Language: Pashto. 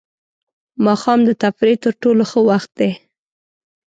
ماښام د تفریح تر ټولو ښه وخت دی.